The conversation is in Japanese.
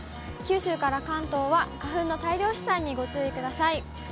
九州から関東は花粉の大量飛散にご注意ください。